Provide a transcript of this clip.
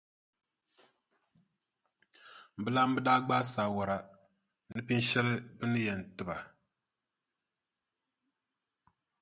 Bɛ laamba daa gbaai saawara ni pinʼ shɛli bɛ ni yɛn ti ba.